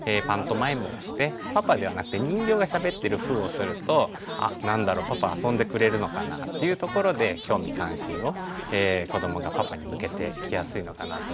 パントマイムをしてパパではなくて人形がしゃべってるふうをするとあ何だろうパパ遊んでくれるのかな？っていうところで興味関心を子どもがパパに向けてきやすいのかなとも思います。